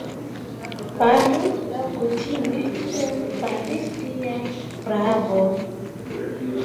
Faru laŭkutime, kiel faris niaj praavoj!